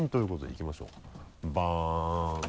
いきましょうかバン。